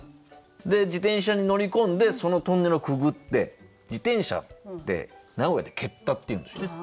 自転車に乗り込んでそのトンネルをくぐって自転車って名古屋で「けった」っていうんですよ。